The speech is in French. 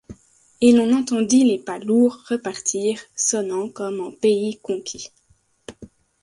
Et l’on entendit les pas lourds repartir, sonnant comme en pays conquis.